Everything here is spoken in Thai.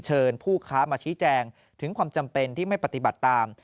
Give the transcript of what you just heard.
ผู้ค้ามาชี้แจงถึงความจำเป็นที่ไม่ปฏิบัติตาม